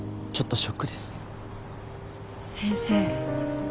先生。